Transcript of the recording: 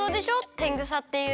てんぐさっていう。